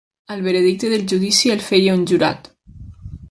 El veredicte del judici el feia un jurat.